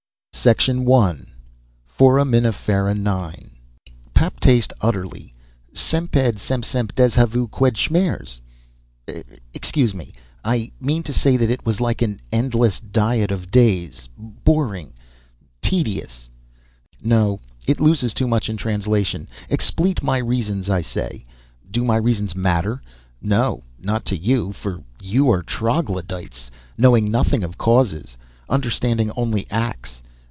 ] I Foraminifera 9 Paptaste udderly, semped sempsemp dezhavoo, qued schmerz Excuse me. I mean to say that it was like an endless diet of days, boring, tedious.... No, it loses too much in the translation. Explete my reasons, I say. Do my reasons matter? No, not to you, for you are troglodytes, knowing nothing of causes, understanding only acts.